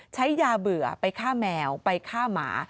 ใช้ยาเบื่อไปฆ่าแมวไปฆ่าหมา